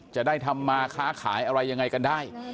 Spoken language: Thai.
จะได้ทำมาค้าขายอะไรยังไงกันได้